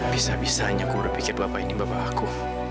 bisa bisa hanya aku berpikir bapak ini bapak aku